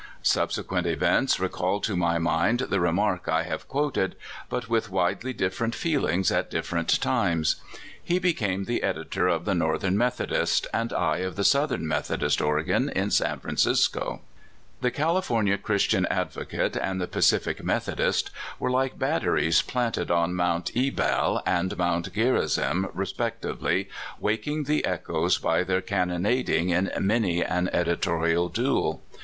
Subsequent events recalled to my mind the remark I have quoted, but with widely different feelings at differ ent times. He became the editor of the JSTorthern Methodist, and I of the Southern IMethodist organ, in San Francisco. The California Ckristian Advo cate and the Pacific Methodist were like batteries planted on Mount Ebal and JNIount Gerizim respect ivel,y, waking the echoes by their cannonading in many an editorial duel.